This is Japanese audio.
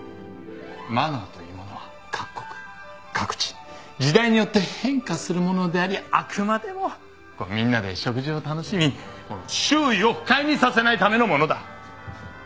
マナーというものは各国各地時代によって変化するものでありあくまでもみんなで食事を楽しみ周囲を不快にさせないためのものだ。